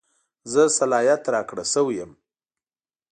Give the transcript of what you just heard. زه صلاحیت راکړه شوی یم.